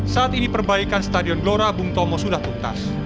saat ini perbaikan stadion glora bung tomo sudah tuntas